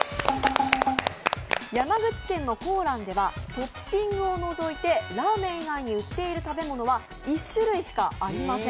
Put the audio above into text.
山口県の紅蘭ではトッピングを除いてラーメン以外で売っている食べ物は１種類しかありません。